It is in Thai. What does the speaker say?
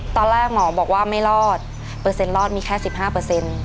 ตอนแรกหมอบอกว่าไม่รอดเปอร์เซ็นต์รอดมีแค่๑๕เปอร์เซ็นต์